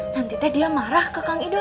nanti teh dia marah ke kang ido